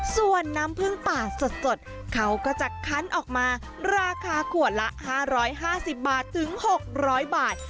ส่วนน้ำผึ้งป่าสดเขาก็จะคั้นออกมาราคาขวดละ๕๕๐บาทถึง๖๐๐บาท